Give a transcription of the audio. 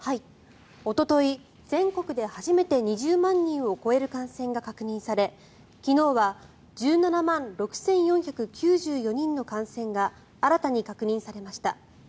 おととい、全国で初めて２０万人を超える感染が確認され昨日は１７万６４９４人の感染が新たに確認されました。